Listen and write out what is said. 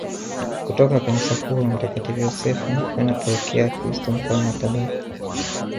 kutoka kanisa kuu la mtakatifu Yosefu kwenda parokia ya Kristo Mfalme Tabata